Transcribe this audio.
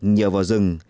nhờ vào rừng